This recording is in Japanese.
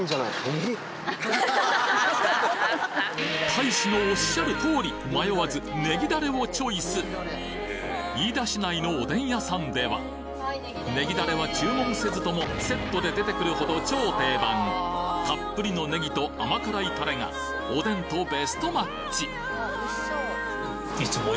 大使のおっしゃるとおり迷わずねぎだれをチョイス飯田市内のおでん屋さんではねぎだれは注文せずともセットで出てくるほど超定番たっぷりのネギと甘辛いタレがおでんとベストマッチ